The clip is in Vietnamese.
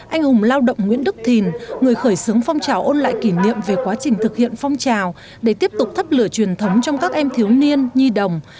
anh hùng lao động nguyễn đức thìn người khởi xướng phong trào ôn lại kỷ niệm về quá trình thực hiện phong trào để tiếp tục thắp lửa truyền thống trong các em thiếu niên nhi đồng